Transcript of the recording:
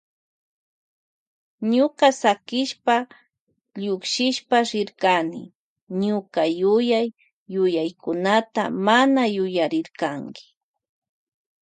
Ñukata sakishpa llukshishpa rirkanki ñuka yuya yuyaykunata mana yuyarirkanki.